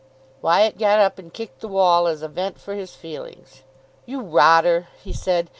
Wyatt got up, and kicked the wall as a vent for his feelings. "You rotter," he said.